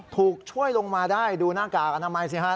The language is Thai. ถูกช่วยลงมาได้ดูหน้ากากอนามัยสิฮะ